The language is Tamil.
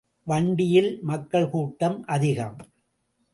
வண்டியில் மக்கள் கூட்டம் அதிகம்.